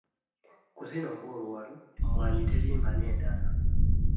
Ku zino ng'Oluwalo, Emmwanyi Terimba n'endala.